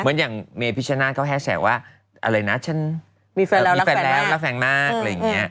เหมือนอย่างเมย์พิชชนะเขาแฮชแท็กว่าอะไรนะฉันมีแฟนแล้วรักแฟนมาก